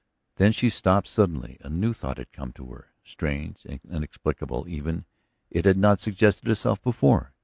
Then she stopped suddenly; a new thought had come to her. Strange, inexplicable even, it had not suggested itself before.